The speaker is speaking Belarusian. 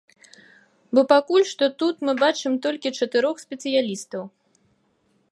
Бо пакуль што тут мы бачым толькі чатырох спецыялістаў.